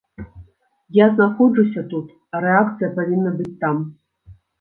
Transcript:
Я знаходжуся тут, а рэакцыя павінна быць там.